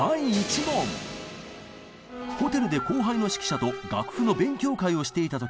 ホテルで後輩の指揮者と楽譜の勉強会をしていた時強盗が侵入。